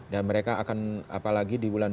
dan mereka akan apalagi di bulan